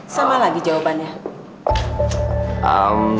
sama lagi jawabannya